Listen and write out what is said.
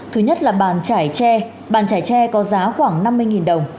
thứ nhất là bàn trải tre bàn chải tre có giá khoảng năm mươi đồng